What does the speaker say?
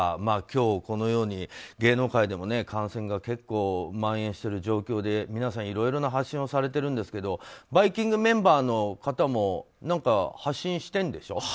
今日、このように芸能界でも感染がまん延している状況で皆さん、いろいろな発信をされているんですが「バイキング」メンバーの方も発信してるんでしょ？